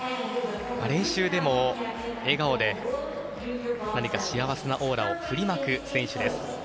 練習でも笑顔で何か幸せなオーラを振りまく選手です。